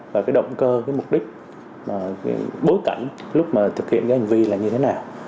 và động cơ mục đích bối cảnh lúc thực hiện hành vi là như thế nào